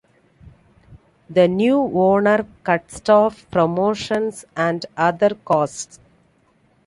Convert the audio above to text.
The new owner cut staff, promotions and other costs.